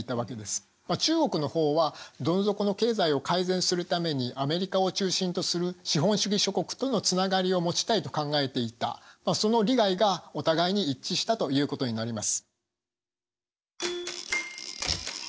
中国の方はどん底の経済を改善するためにアメリカを中心とする資本主義諸国とのつながりを持ちたいと考えていたその利害がお互いに一致したということになります。